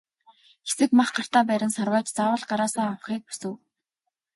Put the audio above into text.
Хэсэг мах гартаа барин сарвайж заавал гараасаа авахыг хүсэв.